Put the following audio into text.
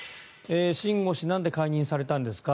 秦剛氏はなんで解任されたんですか？